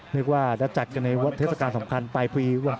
นึกว่าจะจัดกันในเทศกาลสำคัญปลายปี